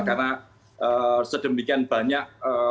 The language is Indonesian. karena sedemikian banyak